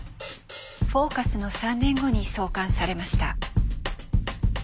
「フォーカス」の３年後に創刊されました。